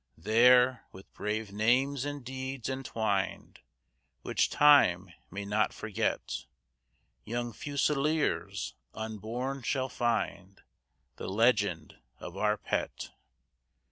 There, with brave names and deeds entwined, Which Time may not forget, Young Fusiliers unborn shall find The legend of our pet.